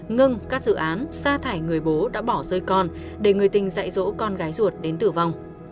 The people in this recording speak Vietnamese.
ngưng các dự án xa thải người bố đã bỏ rơi con để người tình dạy dỗ con gái ruột đến tử vong